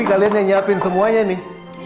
kalian yang nyiapin semuanya nih